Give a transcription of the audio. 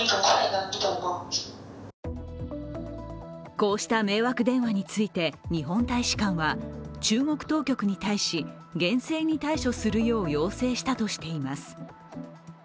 こうした迷惑電話に対して日本大使館は中国当局に対し、厳正に対処するよう要請したとしています。